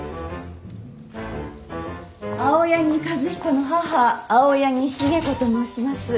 青柳和彦の母青柳重子と申します。